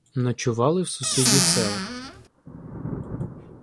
Ночували в сусідніх селах.